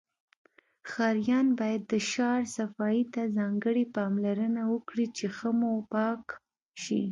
ښاریان باید د شار صفایی ته ځانګړی پاملرنه وکړی چی ښه موپاک شی